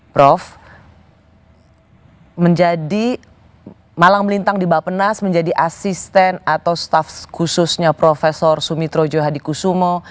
prof menjadi malang melintang di bapenas menjadi asisten atau staff khususnya prof sumitro johadikusumo